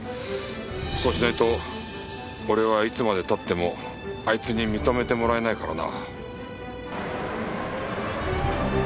そうしないと俺はいつまで経ってもあいつに認めてもらえないからな。